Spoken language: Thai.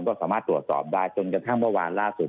ก็สามารถตรวจสอบได้จนกระทั่งเมื่อวานล่าสุด